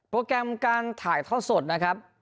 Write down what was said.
แกรมการถ่ายทอดสดนะครับ